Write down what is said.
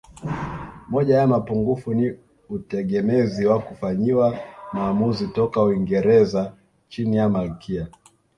Moja ya mapungufu ni utegemezi wa kufanyiwa maamuzi toka Uingereza chini ya Malkia